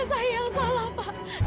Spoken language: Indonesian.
saya yang salah pak